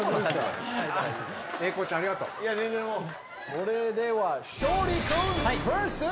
それでは。